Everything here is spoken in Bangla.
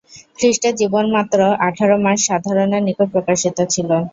খ্রীষ্টের জীবন মাত্র আঠার মাস সাধারণের নিকট প্রকাশিত ছিল।